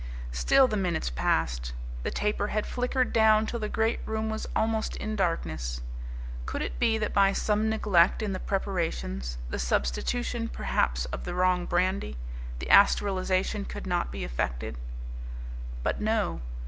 Still the minutes passed. The taper had flickered down till the great room was almost in darkness. Could it be that by some neglect in the preparations, the substitution perhaps of the wrong brandy, the astralization could not be effected? But no.